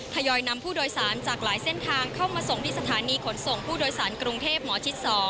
ยอยนำผู้โดยสารจากหลายเส้นทางเข้ามาส่งที่สถานีขนส่งผู้โดยสารกรุงเทพหมอชิด๒